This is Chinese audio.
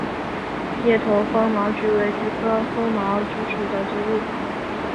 叶头风毛菊为菊科风毛菊属的植物。